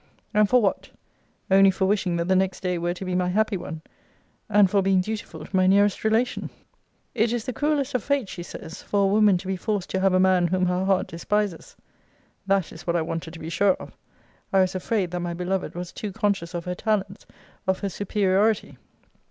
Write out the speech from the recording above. And for what? Only for wishing that the next day were to be my happy one; and for being dutiful to my nearest relation. 'It is the cruelest of fates,' she says, 'for a woman to be forced to have a man whom her heart despises.' That is what I wanted to be sure of. I was afraid, that my beloved was too conscious of her talents; of her superiority!